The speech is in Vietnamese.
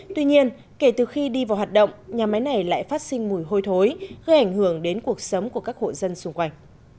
tuy nhiên kể từ khi đi vào hoạt động nhà máy này lại phát sinh mùi hôi thối gây ảnh hưởng đến cuộc sống của các hộ dân xung quanh